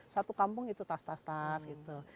satu kampung itu tastas tastas gitu